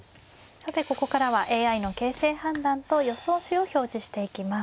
さてここからはＡＩの形勢判断と予想手を表示していきます。